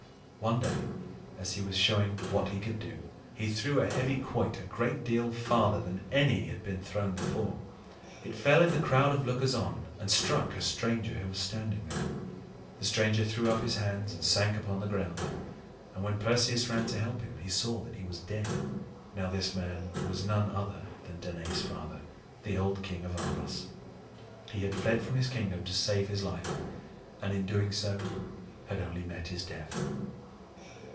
One day, as he was showing what he could do, he threw a heavy quoit a great deal farther than any had been thrown before. It fell in the crowd of lookers on, and struck a stranger who was standing there. The stranger threw up his hands and sank upon the ground; and when Perseus ran to help him, he saw that he was dead. Now this man was none other than Danaë's father, the old king of Argos. He had fled from his kingdom to save his life, and in doing so had only met his death.